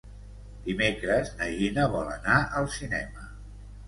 Dimecres na Gina vol anar al cinema.